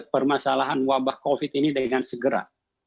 permasalahan wabah covid ini dengan segera